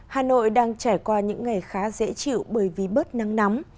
hà nội đang trải qua những ngày khá dễ chịu bởi vì bớt nắng nóng